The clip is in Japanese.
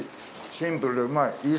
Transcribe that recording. シンプルで美味い。